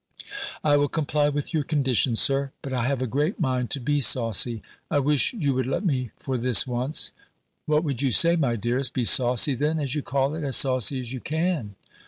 "I will comply with your condition, Sir; but I have a great mind to be saucy. I wish you would let me for this once." "What would you say, my dearest? Be saucy then, as you call it, as saucy as you can."